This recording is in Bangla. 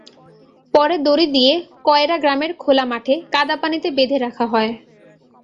পরে দড়ি দিয়ে কয়ড়া গ্রামের খোলা মাঠে কাদাপানিতে বেঁধে রাখা হয়।